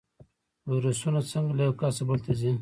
ویروسونه څنګه له یو کس بل ته ځي؟